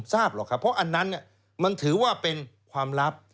ทราบหรอกครับเพราะอันนั้นมันถือว่าเป็นความลับ